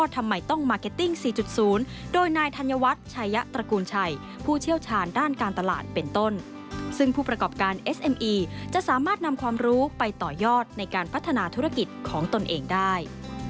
ไปต่อยอดในการพัฒนาธุรกิจของตนเองได้